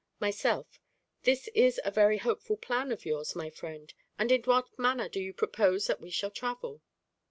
Myself This is a very hopeful plan of yours, my friend: and in what manner do you propose that we shall travel?